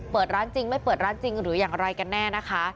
ร้านจริงไม่เปิดร้านจริงหรืออย่างไรกันแน่นะคะ